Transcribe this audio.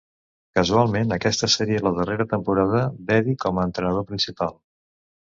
Casualment, aquesta seria la darrera temporada d'Eddie com a entrenador principal.